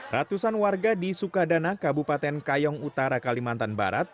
ratusan warga di sukadana kabupaten kayong utara kalimantan barat